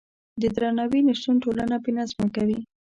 د درناوي نشتون ټولنه بې نظمه کوي.